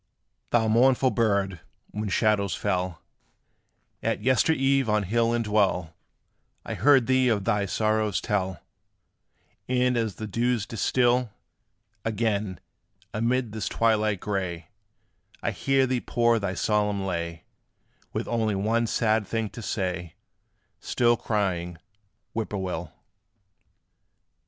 Thou mournful bird, when shadows fell At yester eve on hill and dell, I heard thee of thy sorrows tell; And, as the dews distil, Again, amid this twilight gray, I hear thee pour thy solemn lay, With only one sad thing to say, Still crying, "Whip poor will."